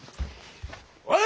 おい！